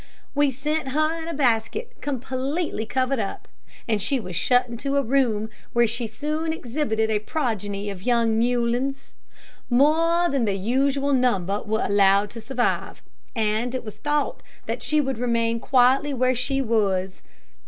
We sent her in a basket completely covered up; and she was shut into a room, where she soon exhibited a progeny of young mewlings. More than the usual number were allowed to survive, and it was thought that she would remain quietly where she was.